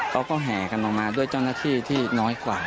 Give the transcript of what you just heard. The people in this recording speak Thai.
เขาก็แห่กันลงมาด้วยเจ้าหน้าที่ที่น้อยกว่า